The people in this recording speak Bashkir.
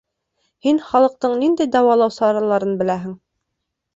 Һин халыҡтың ниндәй дауалау сараларын беләһең?